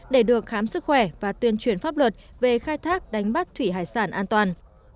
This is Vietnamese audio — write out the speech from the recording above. để được khám sức khỏe và tuyên truyền pháp luật về khai thác đánh bắt thủy hải sản an toàn